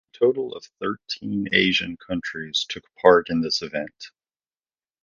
A total of thirteen Asian countries took part in this event.